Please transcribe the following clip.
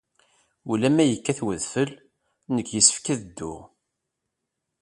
Ula ma yekkat wedfel, nekk yessefk ad dduɣ.